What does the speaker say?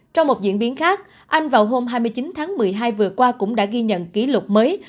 trong một diễn biến khác anh vào hôm hai mươi chín tháng một mươi hai vừa qua cũng đã ghi nhận kỷ lục mới